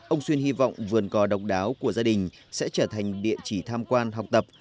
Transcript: ông xuyên hy vọng vườn cò độc đáo của gia đình sẽ trở thành địa chỉ tham quan học tập